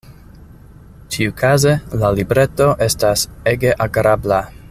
Ĉiukaze, la libreto estas ege agrabla.